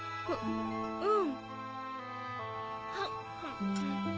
うん。